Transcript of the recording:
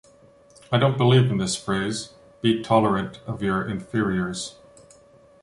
I don't believe in this phrase “be tolerant of your inferiors”